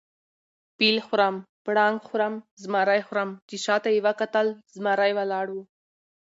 فیل خورم، پړانګ خورم، زمرى خورم . چې شاته یې وکتل زمرى ولاړ وو